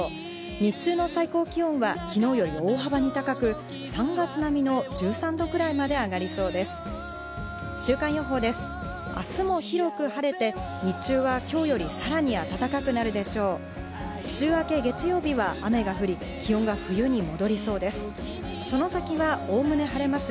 日中の最高気温はきのうより大幅に高く３月並みの１３度くらいまで上がりそうです。